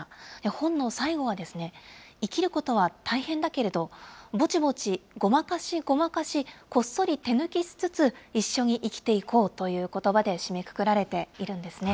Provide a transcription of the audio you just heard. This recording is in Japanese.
本の最後はですね、生きることは大変だけれど、ぼちぼちごまかしごまかし、こっそり手抜きしつつ、一緒に生きていこうということばで締めくくられているんですね。